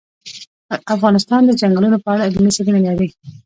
افغانستان د چنګلونه په اړه علمي څېړنې لري.